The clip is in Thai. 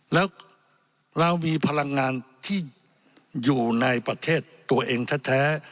แล้วเรามีพลังงานที่อยู่ในประเทศตัวเองแท้